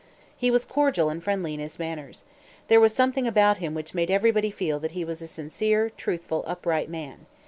He was cordial and friendly in his manners. There was something about him which made everybody feel that he was a sincere, truthful, upright man.